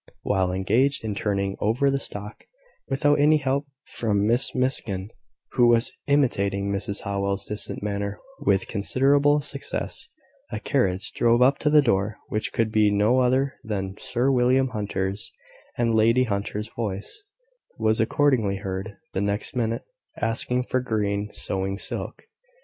While engaged in turning over the stock, without any help from Miss Miskin, who was imitating Mrs Howell's distant manner with considerable success, a carriage drove up to the door, which could be no other than Sir William Hunter's; and Lady Hunter's voice was accordingly heard, the next minute, asking for green sewing silk.